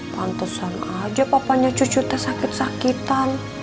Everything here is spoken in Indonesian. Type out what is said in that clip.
pantesan aja papanya cucu kita sakit sakitan